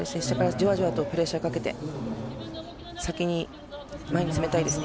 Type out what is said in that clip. じわじわとプレッシャーをかけて先に前に攻めたいですね。